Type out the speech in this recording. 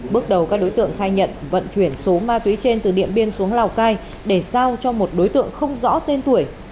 bước đầu các đối tượng khai nhận vận chuyển số ma túy trên từ điện biên xuống lào cai để giao cho một đối tượng không rõ tên tuổi